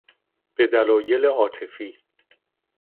به دلایل عاطفی